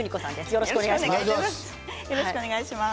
よろしくお願いします。